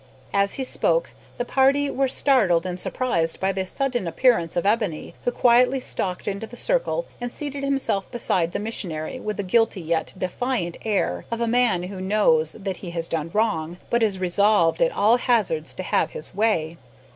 As he spoke the party were startled and surprised by the sudden appearance of Ebony, who quietly stalked into the circle and seated himself beside the missionary with the guilty yet defiant air of a man who knows that he has done wrong, but is resolved at all hazards to have his way.